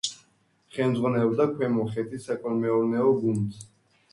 ხელმძღვანელობდა ქვემო ხეთის საკოლმეურნეო გუნდს.